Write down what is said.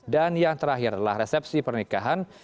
dan yang terakhir adalah resepsi pernikahan